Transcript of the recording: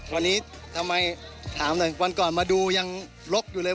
วันนี้ทำไมถามหน่อยวันก่อนมาดูยังลกอยู่เลย